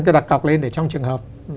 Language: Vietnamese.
cái đặt cọc lên để trong trường hợp